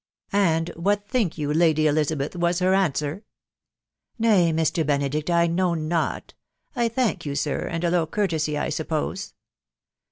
... And what think you, Lady Eliza beth, was her answer ?"" Nay, Mr, Benedict, I know not. .•' I thank you, air,' and a low courtesy, I suppose."